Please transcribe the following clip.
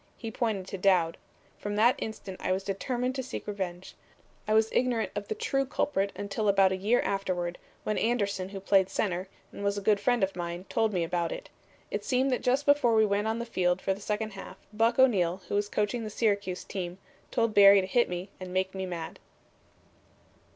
He pointed to Dowd. From that instant I was determined to seek revenge. I was ignorant of the true culprit until about a year afterward, when Anderson, who played center, and was a good friend of mine, told me about it. It seemed that just before we went on the field for the second half Buck O'Neil, who was coaching the Syracuse team, told Barry to hit me and make me mad."